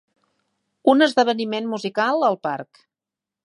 Un esdeveniment musical al parc.